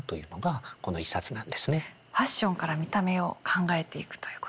ファッションから見た目を考えていくということで。